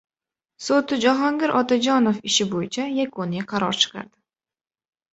Sud Jahongir Otajonov ishi bo‘yicha yakuniy qaror chiqardi